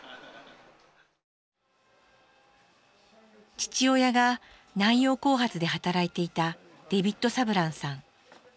父親が南洋興発で働いていたデビット・サブランさん。